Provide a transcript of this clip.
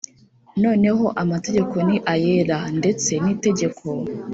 Noneho amategeko ni ayera ndetse n itegeko